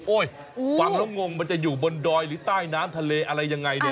ฟังแล้วงงมันจะอยู่บนดอยหรือใต้น้ำทะเลอะไรยังไงเนี่ย